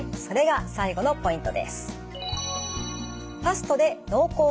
それが最後のポイントです。